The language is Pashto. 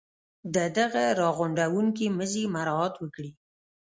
د دغه را غونډوونکي مزي مراعات وکړي.